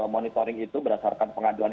monitoring itu berdasarkan pengaduan